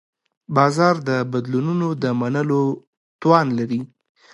بازار د بدلونونو د منلو توان لري.